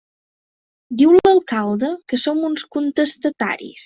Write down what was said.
Diu l'alcalde que som uns contestataris.